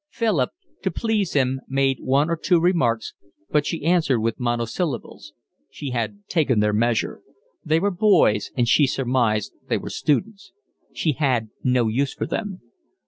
Philip, to please him, made one or two remarks, but she answered with monosyllables. She had taken their measure. They were boys, and she surmised they were students. She had no use for them.